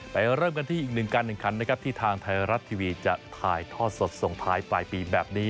เริ่มกันที่อีกหนึ่งการแข่งขันนะครับที่ทางไทยรัฐทีวีจะถ่ายทอดสดส่งท้ายปลายปีแบบนี้